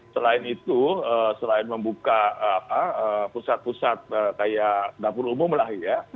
selain itu selain membuka pusat pusat kayak dapur umum lah ya